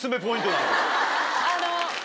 あの。